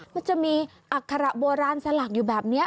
มันจะมีอัคระโบราณสลักอยู่แบบนี้